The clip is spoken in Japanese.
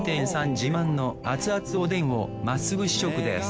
自慢の熱々おでんをまっすぐ試食です